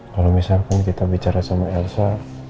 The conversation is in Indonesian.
kalau misalkan kita bicara sama elsa